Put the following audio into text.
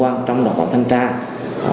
đối tượng như thế nào